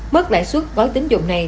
mức lãi suất gói tín dụng này